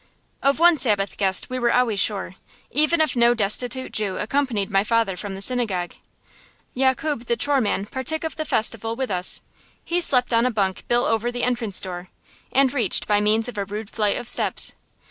Of one Sabbath guest we were always sure, even if no destitute Jew accompanied my father from the synagogue. Yakub the choreman partook of the festival with us. He slept on a bunk built over the entrance door, and reached by means of a rude flight of steps.